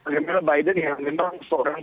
karena biden yang memang seorang